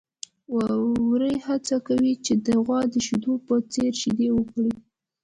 وري هڅه کوله چې د غوا د شیدو په څېر شیدې ورکړي.